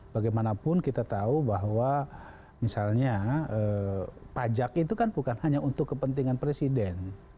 bagaimanapun kita tahu bahwa misalnya pajak itu kan bukan hanya untuk kepentingan presiden